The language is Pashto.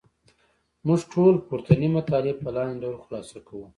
موږ ټول پورتني مطالب په لاندې ډول خلاصه کوو.